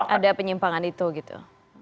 ada penyimpangan itu gitu